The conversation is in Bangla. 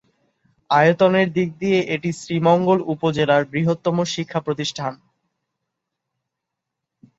আয়তনের দিক দিয়ে এটি শ্রীমঙ্গল উপজেলার বৃহত্তম শিক্ষা প্রতিষ্ঠান।